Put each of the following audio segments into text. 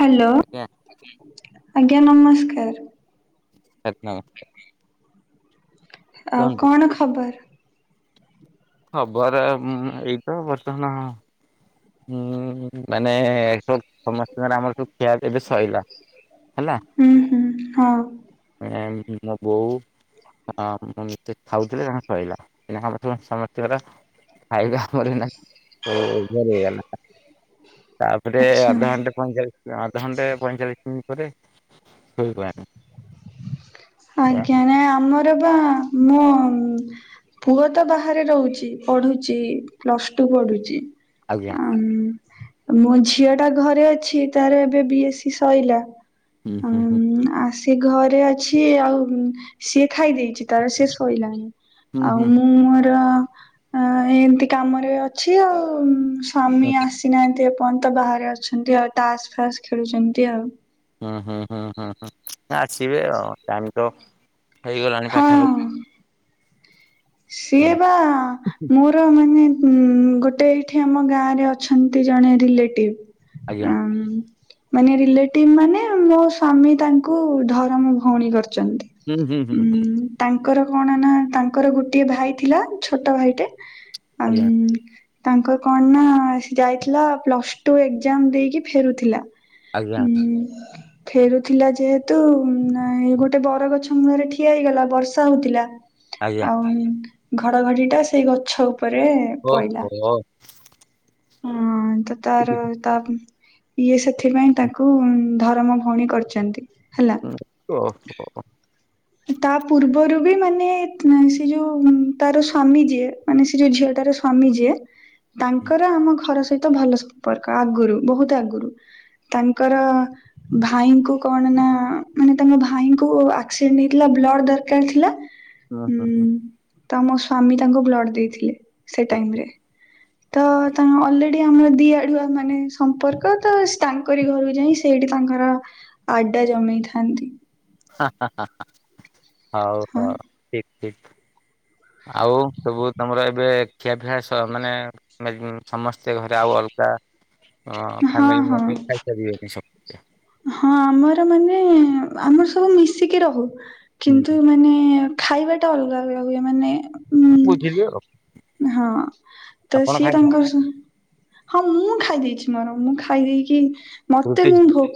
Hello. [inaudible] ଆଜ୍ଞା ନମସ୍କାର। [unintelligible] ଆଉ କୁହନ୍ତୁ କଣ ଖବର? ଖବର ଉଁଉଁ ଏଇତ ବ [unintelligible] ହୁଁ ମାନେ ସମସ୍ତଙ୍କର ଆମର ସବୁ ଖିଆ ଏବେ ସଇଲା ହେଲା। [inaudible] ହୁଁ ହୁଁ ହଁ । ମୋ ବୋଉ ଅଁ ଉଁ ସେ ଖାଉଥିଲେ ଉଁ ସଇଲା ଏଇନା ସମସ୍ତେ ସମସ୍ତକର ଖାଇବା [unintelligible] ହଉ । ହେଇଗଲା ତାପରେ ଆଚ୍ଛା। ଅଧଘଣ୍ଟେ ପଇଁଚାଳିଶ ଅଧଘଣ୍ଟେ ପଇଁଚାଳି ହୁଁ ପରେ ଶୋଇବା। ଆଜ୍ଞା ନାଇଁ ଆମ ରେବା ମୋ ପୁଅ ତ ବାହାରେ ରହୁଛି ପଢୁଛି ପ୍ଲସ୍ ଟୁ ପଢୁଛି। ଆଜ୍ଞା ଆମ ମୋ ଝିଅଟା ଘରେ ଅଛି ତାର ଏବେ ବିଏସି ସଇଲା । ହୁଁ ଆସ ସେ ଘରେ ଅଛି ସିଏ ଆଉ ସିଏ ଖାଇ ଦେଇଛି ତାର ସେ ଶୋଇଲାଣି। ହୁଁ ଆଉ ହୁଁ ମୁଁ ମୋର ଆ ଏମିତି କାମରେ ଅଛି ଆଉ ହୁଁ ସ୍ୱାମୀ ଆସିନାହାନ୍ତି। ସ୍ଵାମୀ ତ ବାହାରେ ଅଛନ୍ତି ଆଉ ତାସ୍ ଫାସ୍ ଖେଳୁଛନ୍ତି ଆଉ ହୁଁ ହୁଁ ହୁଁ ହୁଁ ହୁଁ ଆସିବେ ଆଉ ଟାଇମ୍ ତ ହେଇଗଲାଣି ହଁ ପାଖାପା ସିଏ ବା ମୋର ମାନେ ଉଁ ଗୋଟେ ଏଇଠି ଆମ ଗାଁରେ ଅଛନ୍ତି ଜଣେ ରିଲେଟିଭ ଆଜ୍ଞା ଆଁ, ମାନେ ରିଲେଟିଭ ମାନେ ମୋ ସ୍ଵାମୀ ତାଙ୍କୁ ଧରମ ଭଉଣୀ କରି ଚନ୍ତି। ହୁଁ ହୁଁ ହୁଁ ଉଁ ତାଙ୍କ ତାଙ୍କର କଣ ନା ତାଙ୍କର ଗୋଟ ଗୋଟିଏ ଭାଇ ଥିଲା ଛୋଟ ଭାଇଟେ। ଆଜ୍ଞା ଅଁମ ତାଙ୍କର କଣ ନା ଯାଇଥିଲା ପ୍ଲସ୍ ଟୁ ଏଗଜାମ୍ ଦେଇକି ଫେରୁଥିଲା। ଆଜ୍ଞା। ହୁଁ। ଫେରୁଥିଲା ଯେହେତୁ ନା ଏ ଗୋଟେ ବରଗଛ ମୂଳରେ ଠିଆ ହେଇଗଲା ବର୍ଷା ହଉଥିଲା। ଆଜ୍ଞା। ଆଉ ଘଡଘଡି ଟା ସେଇ ଗଛ ଉପ ଉପରେ ପଇଲା। ଓହୋ ଓହୋ। ହଁ-ଅ। ତ ତାର ତାମ୍ ଇଏ ସେଥିପାଇଁ ତାକୁ ଧରମ ଭଉଣୀ କରିଚନ୍ତି। ଉ ଓ ହୋ। ତା ପୂର୍ବରୁ ବି ମାନେ ସେ ଯୋଉ ତାର ସ୍ଵାମୀ ଯିଏ ମାନେ, ସେ ଯୋଉ ଝିଅଟାର ସ୍ଵାମୀ ଯିଏ ତାଙ୍କର ଆମ ଘର ସହି ତ ଭଲ ସମ୍ପର୍କ ଆଗରୁ ବହୁତ ଆଗରୁ। ତାଙ୍କର ଭାଇଙ୍କୁ କଣ ନା ମାନେ ତାଙ୍କ ଭାଇଙ୍କୁ ଆକ୍ ସ ଡେନ ହେଇଥିଲା ବ୍ଲଡ଼ ଦରକାର ଥିଲା। ଅ ହ ହ। ତମ ସ୍ଵାମୀ ତାଙ୍କୁ ବ୍ଲଡ଼ ଦେଇଥିଲେ। ସେ ଟାଇମ୍ ରେ। ତ ତାଙ୍କ ଅଲରେଡି ଆମର ଦି ଆଡୁଆ ମାନେ, ସମ୍ପର୍କତ ତାଙ୍କରି ଘରକୁ ଯାଇ ସେଇଠି ତାଙ୍କର ଆଡା ଜମେଇଥାନ୍ତି। ହାହାହାହା। ହଉ ହଁ ହଉ ଠିକ୍। ଠିକ୍। ଆଉ ସବୁ ତମର ଏବେ ଖିଆପିଆ ସ ମାନେ [unintelligible] ସମସ୍ତେ ଘରେ ଆଉ ଅଲଗା ଅଁ ହଁ ଫ୍ୟାମିଲି ହଁ। ମାନେ ଖାଇସାରିବେନି ସବୁ। ହଁ ଆମର ମାନେ ଆମର ସବୁ ମିଶିକି ରହୁ। କିନ୍ତୁ ହୁଁ, ମାନେ-ଏ ଖାଇବା ଟା ଅଲଗା ଅଲଗା ହୁଏ ମାନେ ହୁଁ ବୁଝିଲି ଆଉ ହଁ ତ ଆପଣ ସିଏ ଖାଇଲେ ତାଙ୍କର ସ ହଁ ମୁଁ ଖାଇ ଦେଇଚି ମୋର ମୁଁ ଖାଇ ଦେଇକି ମୋତେ ରୁଟି ମୋ ଭୋ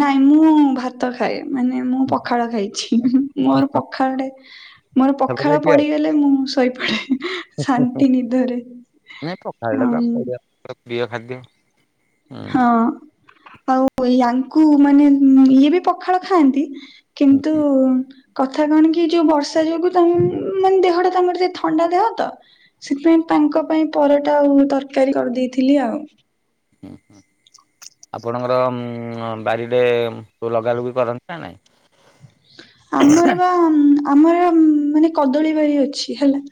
ନାଇଁ ମୁଁ ଭାତ ଖାଏ। ମାନେ ମୁଁ ପଖାଳ ଖାଇଚି। ମୋର ପଖାଳଟେ ମୋର ପଖାଳ ସବୁବେଳେ ଦିଅ। ପଡିଗଲେ ମୁଁ ଶୋଇ [inaudible] ଶାନ୍ତି ନିଦ ରେ ହେଟା ତ ଆମ ଓଡ଼ିଆ ଘର ପ୍ରିୟ ଖାଦ୍ୟ। ହୁଁ। ହଁ। ଆଉ ୟାଙ୍କୁ ମାନେ ଇଏ ବି ପଖାଳ ଖାଆନ୍ତି। ହୁଁ। କିନ୍ତୁ କଥା କଣ କି ଯଉ ବର୍ଷା ଯୋଗୁ ତା ମାନେ ଦେହଟା ତାଙ୍କର ଥଣ୍ଡା ଦେହ ତ। ସେଥିପାଇଁ ତାଙ୍କ ପାଇଁ ପରଟା ଆଉ ତରକାରୀ କରିଦେଇଥିଲି ଆଉ। ହୁଁ ହୁଁ ଆପଣଙ୍କର ଉଁ ବାରି ରେ ଯଉ ଲଗା ଲୁଗି କରନ୍ତି ନା ନାହିଁ? ଆମର ବା ଆମର ମାନେ କଦଳୀ ବାରି ଅଛି ହେଲା।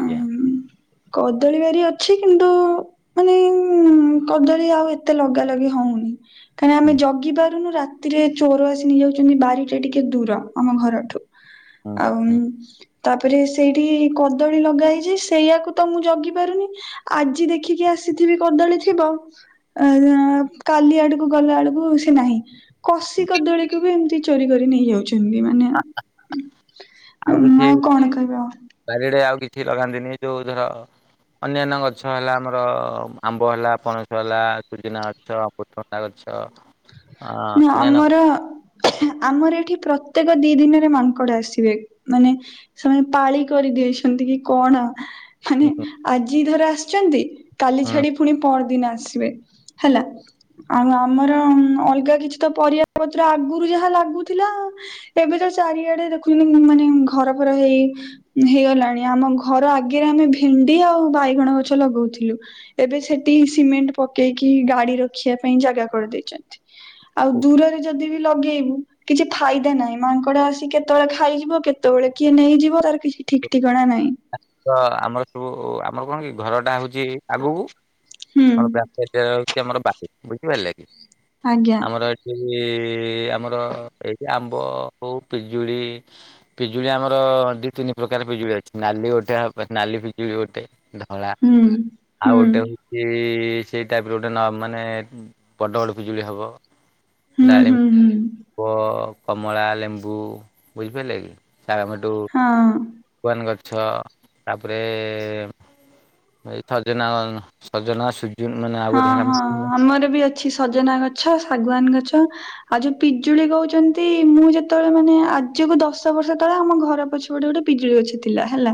ଆଜ୍ଞା। ଉଁ କଦଳୀ ବାରି ଅଛି କିନ୍ତୁ ମାନେ ଉଁ କଦଳୀ ଆଉ ଏତେ ଲଗା ଲଗି ହଉନି। କାହିଁକି ନା ଆମେ ହୁଁ, ଜଗି ପାରୁନୁ ରା ତିରେ ଚୋର ଆସି ନେଇଯାଉଛନ୍ତି। ବାରି କିନ୍ତୁ ଟିକେ ଦୂର ଆମ ଘରଠୁ। ହୁଁ। ଆଉ। ତାପରେ ସେଇଠି କଦଳୀ ଲଗା ହେଇଚି। ସେଇଆାକୁ ତ ମୁଁ ଜଗି ପାରୁନି। ଆଜି ଦେଖିକି ଆସିଥିବି କଦଳୀ ଥିବ ଅ କାଲି ଆଡକୁ ଗଲା ବଳକୁ ସେ ନାହିଁ। କସି କଦଳୀ କୁ ବି ଏମ୍‌ତି ଚୋରି କରି ନେଇଯାଉଚି। ଏମାନେ। ଆଉ କଣ କହିବି ଆଉ। ଛି ଲାଗନ୍ତି ନି ଯଉ ଧର ଅନାନ୍ୟା ଗଛ ହେଲା ଆମର ଆମ୍ବ ହେଲା ପଣସ ହେଲା ପୋଦିନା ଗଛ ପୁକସୁଂଗା ଗଛ। ନା ଅନ୍ୟାନ୍ୟ ଆମର ଆମର ଏଠି ପ୍ରତ୍ୟେକ ଦି ଦିନରେ ମାଙ୍କଡ ଆସିବେ, ମାନେ ସେମାନେ ପାଳି କରିଦେଇଛନ୍ତି କି କଣ ମାନେ ଆଜି ଧର ଆସିଚନ୍ତି। କାଲି ଛାଡ଼ି ପୁଣି ପହ ଦିନ ଆସିବେ ହେଲା ଆଉ ଆମର ଅଲଗା କିଛି ତ ପରିବା ପତ୍ର ଆଗରୁ ଯାହା ଲାଗୁଥିଲା ଏବେ ତ ଚାରିଆଡେ ଦେଖୁଛନ୍ତି ମାନେ ଘର ଫର ହେଇ ହେଇଗଲାଣି। ଆମ ଘର ଆଗରେ ଆମେ ଭେଣ୍ଡି ଆଉ ବାଇଗଣ ଗଛ ଲଗଉଥିଲୁ ଏବେ ସେଠି ସିମେଣ୍ଟ ପକେଇକି ଗାଡି ରଖିବା ପାଇଁ ଜାଗା କରିଦେଇଚନ୍ତି। ଆଉ ଦୂରରେ ଯଦି ବି ଲଗେଇବୁ କିଛି ଫାଇଦା ନାହିଁ ମାଙ୍କଡ ଆସିିକ କେତେବେଳେ ଖାଇଯିବ କେତେବେଳେ କିଏ ନେଇଯିବ ତାର କିଛି ଠିକ୍ ଠିକଣା ନାହିଁ। ତ ଆମର ସବୁ ଆମର କଣ କି ଘର ଟା ହଉ ଚି ଆଗକୁ ହୁଁ ଆଉ ବ୍ୟାକେଟ୍ ସେ ଆମର ବାରି ବୁଝିପାରିଲେ। ଆଜ୍ଞା ଆମର ଏଠି ଏଇ ଆମର ଏଇ ଆମ୍ବ ହଉ ପିଜୁଳି ପିଜୁଳି ଆମର ଦି ତିନି ପ୍ରକାର ପିଜୁଳି ଅଛି ନାଲି ଗୋ ନାଲି ପିଜୁଳି ଗୋଟେ ନ ଧଳା ହୁଁ ହୁଁ ଆଉ ଗୋଟେ ହଉଚି ସେଇ ଟାଇପ୍ ର ଗୋଟେ ନ ମାନେ ବଡ଼ ବଡ଼ ପିଜୁଳି ହବ। ହୁଁ ହୁଁ ହୁଁ ଡାଳିମ୍ବ କମଳା ଲେମ୍ବୁ ବୁଝିପାରିଲେ କି। ସାମଟୁ ହଁ ଉଆନ୍ ଗଛ ଛ ତାପରେ ଏ ସଜନା ସଜନା ସୁ ହଁ ହଁ ଆମର ବି ଅଛି ସଜନା ଗଛ ଶାଗୁଆାନ ଗ ଛ ଆଉ ଯୋଉ ପିଜୁଳି କହୁଛନ୍ତି ମୁଁ ଯେତେବେଳେ ମାନେ ଆଜିକୁ ଦଶ ବର୍ଷ ତଳେ ଆମ ଘର ପଛପଟେ ଗୋଟେ ପିଜୁଳି ଗଛ ଥିଲା ହେଲା।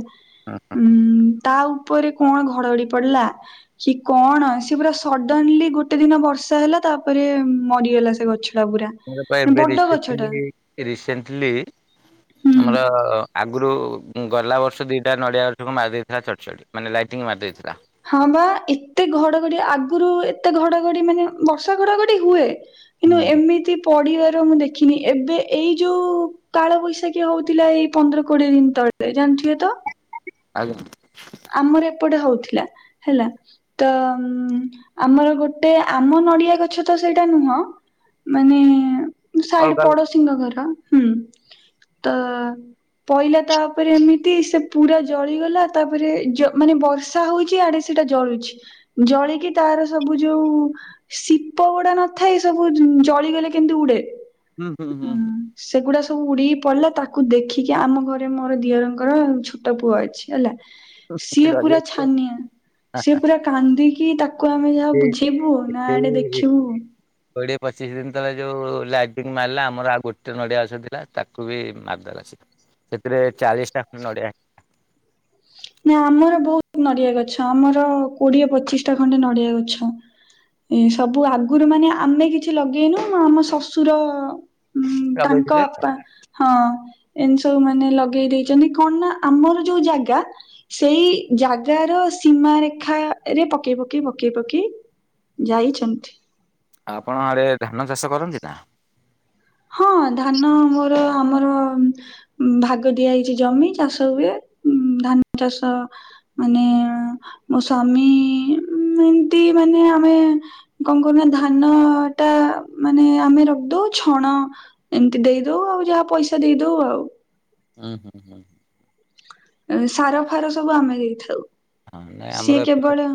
ଉଁ ତାଉ ଉପରେ କଣ ଘଡ଼ଘଡ଼ି ପଡ଼ିଲା କି କଣ ସେ ସେ ପୁରା ସଡ଼ନଲି ଗୋଟେ ଦିନ ବର୍ଷା ହେଲା ତାପରେ ମରିଗଲା ସେ ଗଛ ଟା ପୁରା। ମୋର ପା ଏବେ ବଡ ଗଛଟା ରିସେଣ୍ଟଲି ରିସେଣ୍ଟଲି ହୁଁ। ଆମର ଆ ଆଗରୁ ଗଲା ବର୍ଷ ଦିଇଟା ନଡ଼ିଆ ବର୍ଷକୁ ମି ଦେଇଥିଲା ଚଢ ଚଢ ମାନେ ଲାଇଟିଂ ମାରି ଦେଇେଇଥିଲା। ହଁ ବା ଏତେ ଘଡ଼ଘଡ଼ି ଆଗରୁ ଏତେ ଘଡ଼ଘଡ଼ି ମାନେ ବର୍ଷା ଘଡ଼ଘଡ଼ି ହୁଏ। କିନ୍ତୁ ହୁଁ ଏମିତି ପ ପଢିବାର ମୁଁ ଦେଖିନି ଏବେ ଏଇ ଯୋଉ କାଳ ବୈଶାଖୀ ହଉଥିଲା ଏଇ ପନ୍ଦର କୋଡିଏ ଦିନ ତଳେ ଜାଣିଥିବେ ତ। ଆଜ୍ଞା। ଆମର ଏପଟେ ହଉଥିଲା। ହେଲା ତ ଆମର ଗୋଟେ ଆମ ନଡିଆ ଗଛ ତ ସେଇଟା ନୁହଁ ମାନେ ସାଇଡ ଅଲଗା ପଡୋଶୀଙ୍କ ଘର ହୁଁ ତ ପହିଲା ତାପରେ ଏମିତି ସେ ପୁରା ଜଳିଗଲା ତାପରେ ମାନେ ବର୍ଷା ହଉଛି। ଆଡେ ସେଟା ଜଳୁଛି ଜଳିକି ତାର ସବୁ ଯୋଉ ଶିପ ଗୁଡା ନଥାଏ ସବୁ ଜଳିଗଲେ କେମତି ଉଡେ ହୁଁ ହୁଁ ହୁଁ ହଁ ସେଗୁଡା ସବୁ ଉଡ଼େଇକି ପଡ଼ିଲା ତାକୁ ଦେଖିକି ଆମ ଘରେ ମୋର ଦିଅରଙ୍କର ଛୋଟ ପୁଅ ଅଛି ହେଲା। ସିଏ ଡରି ପୁରା ଯାଇଥିବ ଛାନିଆ। ସେ ପୁରା କାନ୍ଦି କି ତା [inaudible] ତାକୁ ଆମେ ଯାହା ସେଇ ବୁଝେଇବୁ ନା ଆଡେ ସେଇ ଦେଖିବୁ। କୋଡ଼ିଏ ପଚିଶ ଦିନ ତଳେ ଯୋଉ ଲାଇଟିଙ୍ଗ ମାରିଲା ଆମର ଆଉ ଗୋଟେ ନଡିଆ ଗଛ ଥିଲା ତାକୁ ବି ମାରିଦେଲା। ସେଥିରେ ଚାଳିଶ ଟା ଖଣ୍ଡ ନଡିଆ ନା ଆମର ବହୁତ ନଡିଆ ଗଛ ଆମର କୋଡିଏ ପଚିଶ ଟା ଖଣ୍ଡେ ନଡିଆ ଗଛ ଏ ସବୁ ଆଗରୁ ମାନେ ଆମେ କିଛି ଲଗେଇନୁ ଆମ ଶଶୁର ଉଁ ତାଙ୍କା ଲଗେଇଥିଲେ। ହଁ [inaudible] ସବୁ ମାନେ ଲଗେଇ ଦେଇଛନ୍ତି କଣ ନା ଆମର ଯୋଉ ଜାଗା ସେଇ ଜାଗାର ସୀମାରେ ରେଖା ରେ ପକେଇ ପକେଇ ପକେଇ ପକେଇ ଯାଇଛନ୍ତି। ଆପଣ ଆଡେ ଧାନ ଚାଷ କରନ୍ତି ନା? ହଁ ଧାନ ମୋର ଆମର ଭାଗ ଦିଆ ହୋଇଛି ଜମି ଚାଷ ହୁଏ। ଧାନ ଚାଷ ମାନେ ମୋ ସ୍ଵାମୀ ଏମତି ମାନେ ଆମେ କଣ କରୁନା ଧାନ ଟା ମାନେ ଆମେ ରଖିଦଉଛ। ଖଣ [unintelligible] ଏମତି ଦେଇଦଉ ଆଉ ଯାହା ପଇସା ଦେଇଦଉ ଆଉ। ହୁଁ ହୁଁ ହୁଁ [unintelligible] ସାର ଫାର ସବୁ ଆମେ ଦେଇଥାଉ। ହଁ ନାଇଁ ଆମର ସିକ ଏପଟେ ବଡ଼ [inaudible]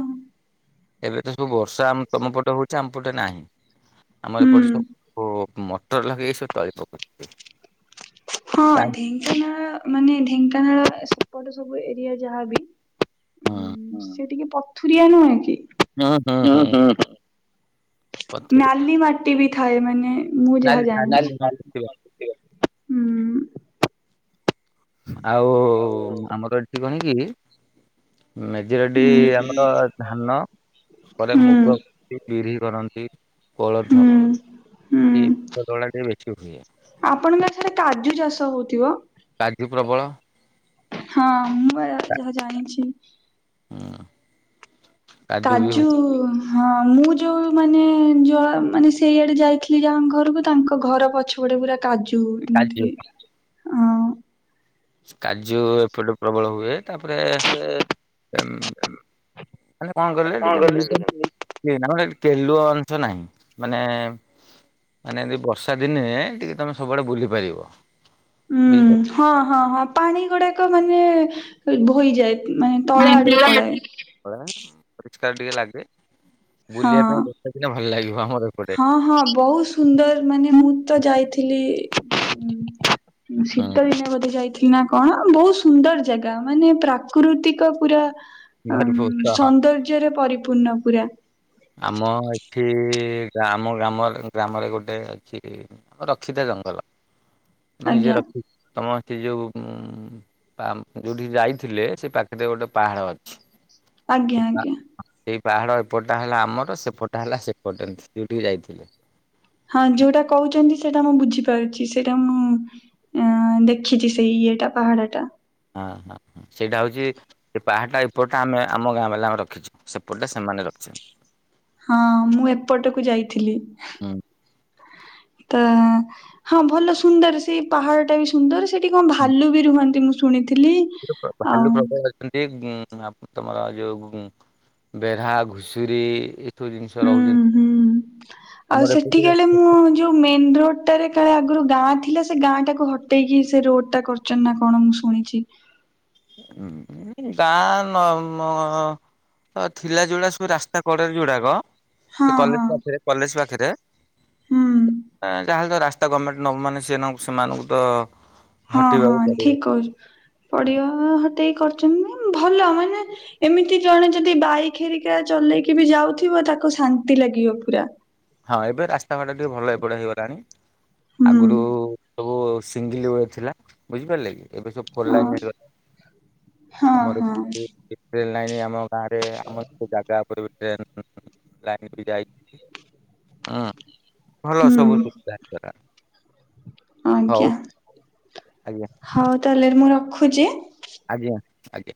ଏବେ ତ ସବୁ ବର୍ଷା ତମ ପଟେ ହଉଛି ଆମ ପଟେ ନାହିଁ। ଆମର ହୁଁ ଏପଟ ସବୁ ମୋଟର ଲାଗେ ଏଇ ସବ ତଳି ପକଉ। ହଁ ଢେଙ୍କାନାଳ ମାନେ ଢେଙ୍କାନାଳ ଏପଟ ସବୁ ଏରିଆ ଯାହାବି ହୁଁ ହଁ ସେ ଟିକେ ପ [unintelligible] ଥରିଆ ନୁ ଆ କି [inaudible] ହଁ ହଁ ହଁ। ନାଲି ମାଟି ବି ଠାଇ ମାନେ [unintelligible] ମୁଁ ଯାହା ନାଲି ନାଲି ଜାଣିଛି। ଆଉ ଆମର ଏଠି କଣକି? ଆ [unintelligible] ମେଜିିରଟି ହୁଁ ଆମର ଧାନ ପରେ ହୁଁ ମୁଗ, ବିରି କରନ୍ତି କୋଳଥ ହୁଁ। ହୁଁ ଏଳା ଟିକ [unintelligible] ବେଶୀ ହୁଏ। ଆପଣଙ୍କ ସେଠି କାଜୁ ଚାଷ ହଉଥିବ। କାଜୁ ପ୍ରବଳ ହଁ ମୁଁ ଯାହା ଜାଣିଛି [inaudible] ବି କାଜୁ ହୁଏ ହଁ ମୁଁ ଯୋଉ ମାନେ ମାନେ ସେଇଆଡେ ଯାଇଥିଲି ଯାହା ଘରକୁ ତାଙ୍କ ଘର ପଛପଟେ ପୁରା କାଜୁ କାଜୁ ଏମିତି ହ କାଜୁ ଏପଟେ ପ୍ରବଳ ହୁଏ। ତାପରେ ଉ ମେ କଣ କଲେେ ଟିକେ କେଲୁଆ ଅଂଶ ନାହିଁ ମାନେ ମାନେ ଏ ବର୍ଷା ଦିନେ ଟିକେ ତମେ ସବୁଆଡେ ବୁଲି ପାରିବ। ହୁଁ ବୁଝିପାରୁଛ ହଁ ହଁ ହଁ ପାଣି ଗୁଡାକ ମାନେ ମାନେ ବହିଯାଏ ମାନେ ତଳ ଆଡକୁ ପଳାଏ। ପରିଷ୍କାର ଟିକେ ଲାଗେ ବୁଲିବା ପାଇଁ ହଁ। ରଷତା ଥିଲେ ଭଲ ଲାଗିବ। [inaudible] ହଁ ହଁ ବହୁତ ସୁନ୍ଦର ମାନେ ମୁଁ ତ ଯାଇଥିଲି ହୁଁ ହୁଁ ଶୀତ ଦିନେ ବୋଧେ ଯାଇ ନା କଣ ବହୁତ ସୁନ୍ଦର ଜାଗା ମାନେ ପ୍ରାକୃତିକ ପୁରା ଉ ଭାରି ଉତ୍ସାହ ସୌନ୍ଦର୍ଯ୍ୟରେ ପରିପୁ ପୂର୍ଣ୍ଣ ପୁରା ଆମ ଏଠି ଆମ ଗ୍ରାମ ଗ୍ରାମରେ ଗୋଟେ ଅଛି ରଖିତା ଜଙ୍ଗଲ। ମୁେ ନିଜେ ଆଜ୍ଞା ରଖି ତମ ସେ ଯୋଉ ଉ ଯୋଉଠି ଯାଇଥିଲେ ସେ ପାଖରେ ଗୋଟେ ପାହାଡ ଅଛି। ଆଜ୍ଞା ଆଜ୍ଞା ପାହାଡ଼ ଏପଟେ ଫଟା ହେଲା ଆମର ସେ ଫଟା ହେଲା ସେପଟ ସେ ଯଉ ଉଠିକି ଯାଇଥିଲେ। ହଁ ଯୋଉଟା କହୁଛନ୍ତି ସେଇଟା ମୁଁ ବୁଝିପାରୁଛି ସେଇଟା ମୁଁ ଅ ଦେଖିଛି ସେଇ ଇଏଟା ପାହାଡ ଟା। ହଁ ହଁ ସେଇଟା ହଉଛି ସେ ପାହାଟା ଏପଟଟେ ଆମେ ଆମ ଗାଁ ବାଲା ଆମେ ରଖିଛୁ ସେପଟଟେ ସେମାନେ ରଖିଛନ୍ତି। ହଁ ମୁଁ ଏପଟକୁ ଯାଇଥିଲି। ହୁଁ ତ ହଁ ଭଲ ସୁନ୍ଦର ସେଇ ପାହାଡ ଟା ବି ସୁନ୍ଦର ସେଠି କଣ ଭାଲୁ ବି ରୁହନ୍ତି ମୁଁ ଶୁଣି ଭାଲୁ ପ୍ରବଳ ଅଛନ୍ତି ଉ ତମର ଯୋଉ ବେଢା ଘୁଷୁରୀ ଏସବୁ ଜିନିଷ ହୁଁ ରହୁଛନ୍ତି। ହୁଁ ଆଉ ଆମର ସେଠି ଏପଟେ କାଳେ ମୁଁ ଯୋଉ ମେନ ରୋଡ ଗଟରେ କାଳେ ଆଗରୁ ଗାଁ ଥିଲା ସେ ଗାଁ ଟାକୁ ହଟେଇକି ସେ ରୋଡ ଟା କରଛ ନା କଣ ମୁଁ ଶୁଣିଛି ଗାଁ ନ ଥିଲା ଯୋଉଡା ସବୁ ରାସ୍ତା କଡରେ ଯଉଡାକ ହଁ ସେ ହଁ କଲେଜ ପାଖରେ କଲେଜ ପାଖରେ ହୁଁ। କିରେ ଯାହାଲ ତ ରାଷ୍ଟ ତା ଗଭର୍ଣ୍ଣମେଣ୍ଟ ନେ ମମାନେ ସେ ସେମାନଙ୍କୁ ତ ହଁ ହଁ ହଟେଇବାକୁ ପଡିବ। ଠିକ କହୁଛି ପଡିବା କରିଛନ୍ତି ଭଲ ମାନେ ଏମିତି ଜଣେ ଯଦି ବାଇକ୍ ହେରିକା ଚଲେଇକି ବି ଯାଉଥିବ ତାକୁ ଶାନ୍ତି ଲାଗିବ ପୁରା। ହଁ ଏବେ ରାସ୍ତାଘାଟା ଟିକେ ଭଲ ଏପଟ ହେଇଗଲାଣି। ହୁଁ ଆଗରୁ ସବୁ ସିଙ୍ଗିଲି ରୋଡ ଥିଲା ବୁଝିପାରିଲେ କି? ଏବେ ସବୁ ଫଲ ଅ ଲାଇନ ହେଇଗଲା ହଁ ଆମର ହଁ ନାଇ ନାଇ ଆ ଗାଁରେ ଆମର ସେ ଜାଗା ଉପରେ ବି ଟ୍ରେ ଲାଇନ ବି ଯାଇ, ହଁ, ଭଲ ହୁଁ ସବୁ ସୁବିଧା ଦାର ଆଜ୍ଞା ଆଜ୍ଞା ହଉ ତାହଲେ ମୁଁ ରଖୁ ରଖୁଛି, ଆଜ୍ଞା ଆଜ୍ଞା,